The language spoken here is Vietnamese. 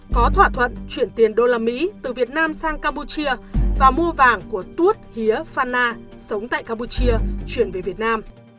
có thỏa thuận chuyển tiền đô la mỹ từ việt nam sang campuchia và mua vàng của tuốt hía phan na sống tại campuchia chuyển về việt nam